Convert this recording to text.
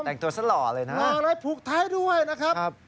แต่งตัวซะหล่อเลยนะผูกท้ายด้วยนะครับ